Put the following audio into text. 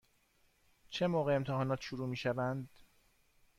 چه موقع امتحانات شروع می شوند؟